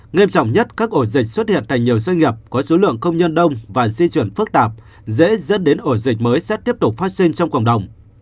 nghiêm trọng nhất các ổ dịch xuất hiện tại nhiều doanh nghiệp có số lượng công nhân đông và di chuyển phức tạp dễ dẫn đến ổ dịch mới sẽ tiếp tục phát sinh trong cộng đồng